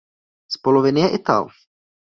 Z poloviny je Ital.